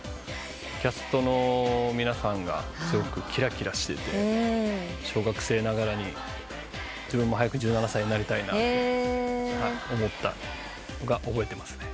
キャストの皆さんがすごくきらきらしてて小学生ながらに自分も早く１７才になりたいなと思ったのが覚えてますね。